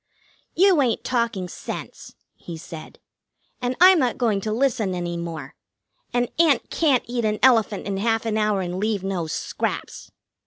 "You ain't talking sense," he said. "And I'm not going to listen any more. An ant can't eat an elephant in half an hour and leave no scraps."